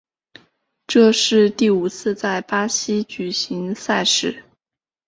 这是第五次在巴西举行赛事。